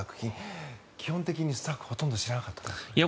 基本的にスタッフはほとんど知らなかった。